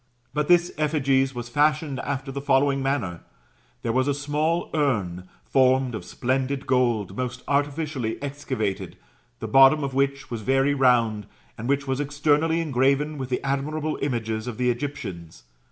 But this effigies was fashioned after the following manner : there was a small urn, formed of splendid gold, most artificially excavated, the bottom of which was very round, and which was externally engraven with the admirable images of the Egyptians.